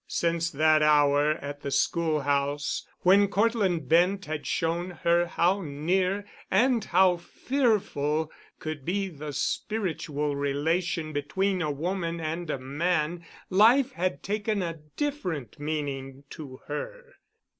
Since that hour at the schoolhouse when Cortland Bent had shown her how near—and how fearful—could be the spiritual relation between a woman and a man, life had taken a different meaning to her.